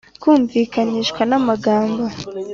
kumvikanishwa n’amagambo